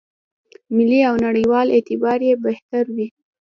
ملي او نړېوال اعتبار یې بهتر وي.